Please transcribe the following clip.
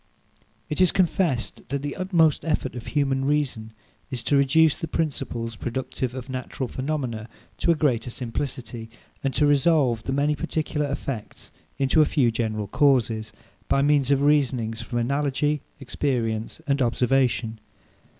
It is confessed, that the utmost effort of human reason is to reduce the principles, productive of natural phenomena, to a greater simplicity, and to resolve the many particular effects into a few general causes, by means of reasonings from analogy, experience, and observation.